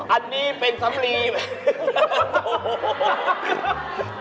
อันนี้เป็นสับลีแผ่น